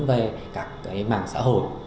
về các cái mạng xã hội